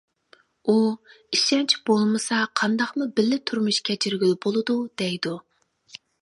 ئۇ «ئىشەنچ بولمىسا قانداقمۇ بىللە تۇرمۇش كەچۈرگىلى بولىدۇ» دەيدۇ.